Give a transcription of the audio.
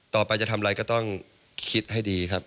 ต่อไปจะทำอะไรก็ต้องคิดให้ดีครับ